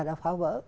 đã phá vỡ